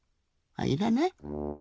あいらない？